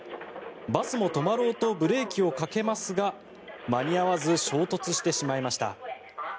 バスも止まろうとブレーキをかけますが間に合わず衝突してしまいました。